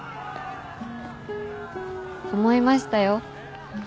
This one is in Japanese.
思いましたよ。